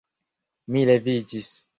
Mi leviĝis.